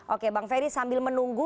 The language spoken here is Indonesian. oke bang ferry sambil menunggu